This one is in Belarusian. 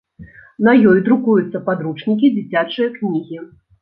На ёй друкуюцца падручнікі, дзіцячыя кнігі.